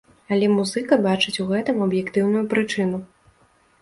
Але музыка бачыць у гэтым аб'ектыўную прычыну.